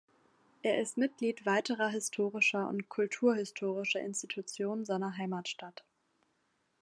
Er ist Mitglied weiterer historischer und kulturhistorischer Institutionen seiner Heimatstadt.